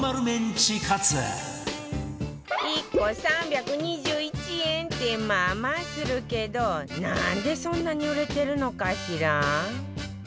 １個３２１円ってまあまあするけどなんでそんなに売れてるのかしら？